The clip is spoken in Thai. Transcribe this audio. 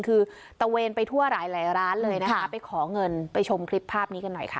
คือตะเวนไปทั่วหลายหลายร้านเลยนะคะไปขอเงินไปชมคลิปภาพนี้กันหน่อยค่ะ